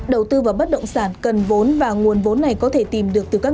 đầu tư vào bất động sản cần vốn và nguồn vốn này có thể tìm